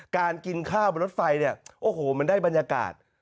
กินข้าวบนรถไฟเนี่ยโอ้โหมันได้บรรยากาศ